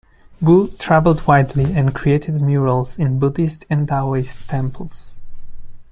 Wu traveled widely and created murals in Buddhist and Daoist temples.